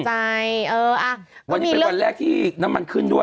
อ้าวอะไรนะอ้าว